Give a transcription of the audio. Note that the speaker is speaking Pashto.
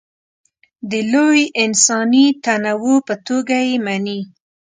د لوی انساني تنوع په توګه یې مني.